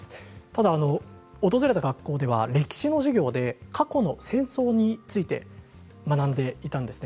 ただ訪れた学校では歴史の授業で過去の戦争について学んでいたんです。